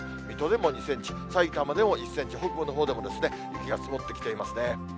水戸でも２センチ、さいたまでも１センチ、北部のほうでも雪が積もってきていますね。